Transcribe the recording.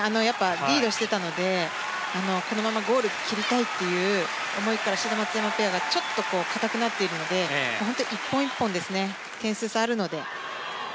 リードしていたのでこのままゴールを切りたいという思いから志田・松山ペアがちょっと硬くなっているので本当に１本１本点数差があるので。